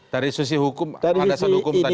dari sisi hukum anda soal hukum tadi